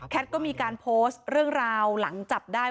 ก็มีการโพสต์เรื่องราวหลังจับได้